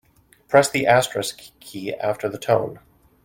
Press the asterisk key after the tone.